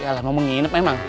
ya lah mau menginap emang